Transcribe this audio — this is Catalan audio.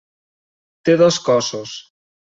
Té dos cossos.